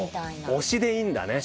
推しでいいんだね。